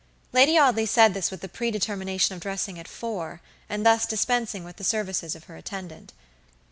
Lady Audley said this with the predetermination of dressing at four, and thus dispensing with the services of her attendant.